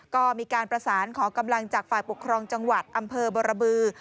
ก็มีการประสานขอกำลังจากฝ่ายปกครองจังหวัดอำเภอบรบือ